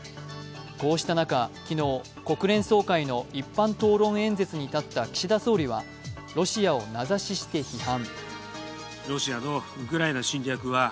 こうした中、昨日、国連総会の一般討論演説に立った岸田総理は、ロシアを名指しして批判。